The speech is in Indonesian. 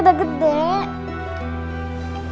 ih bapak pak jitnya udah gede